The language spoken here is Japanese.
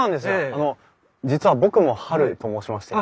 あの実は僕もハルと申しまして。